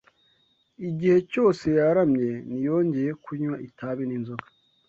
igihe cyose yaramye, ntiyongeye kunywa itabi n’inzoga